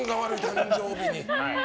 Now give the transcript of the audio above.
誕生日に。